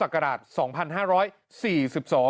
กระดาษ๒๕๔๒